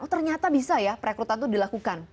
oh ternyata bisa ya perekrutan itu dilakukan